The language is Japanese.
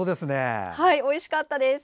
おいしかったです。